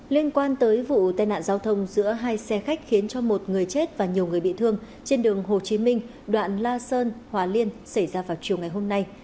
liên quan tới vụ tai nạn giao thông giữa hai xe khách khiến cho một người chết và nhiều người bị thương trên đường hồ chí minh đoạn la sơn hòa liên xảy ra vào chiều ngày hôm nay